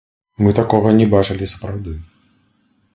Мы такога не бачылі сапраўды.